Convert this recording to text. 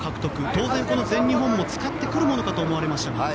当然、全日本も使ってくるかと思われましたが。